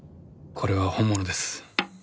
これは本物です。